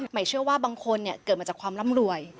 เชื่อว่าบางคนเกิดมาจากความร่ำรวย